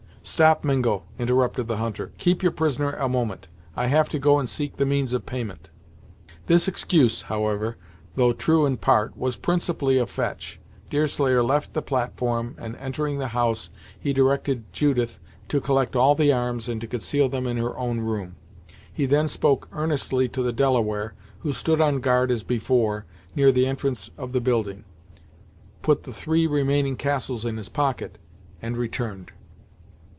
"Stop, Mingo," interrupted the hunter, "keep your prisoner a moment. I have to go and seek the means of payment." This excuse, however, though true in part, was principally a fetch. Deerslayer left the platform, and entering the house, he directed Judith to collect all the arms and to conceal them in her own room. He then spoke earnestly to the Delaware, who stood on guard as before, near the entrance of the building, put the three remaining castles in his pocket, and returned.